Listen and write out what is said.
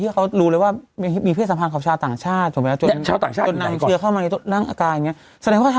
เพราะว่าสมมติว่าในกรณีที่เขารู้เลยว่า